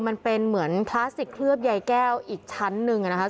มันเป็นเหมือนพลาสติกเคลือบใยแก้วอีกชั้นหนึ่งนะครับ